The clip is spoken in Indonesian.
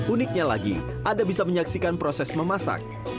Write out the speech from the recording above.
uniknya lagi anda bisa menyaksikan proses memasak